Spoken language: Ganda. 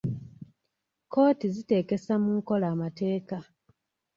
Kkooti ziteekesa mu nkola amateeka.